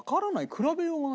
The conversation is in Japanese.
比べようがない。